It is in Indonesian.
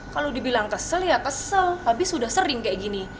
kalau dibilang kesel ya kesel habis sudah sering kayak gini